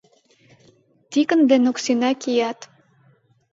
Тикын ден Оксина кият.